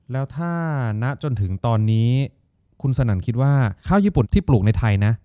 แล้วถ้าณจนถึงตอนนี้คุณสนั่นคิดว่าข้าวญี่ปุ่นที่ปลูกในไทยนะ